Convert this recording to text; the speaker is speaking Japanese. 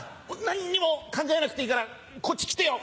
何にも考えなくていいからこっち来てよ。